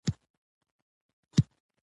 زمرد د افغانستان د ځمکې د جوړښت نښه ده.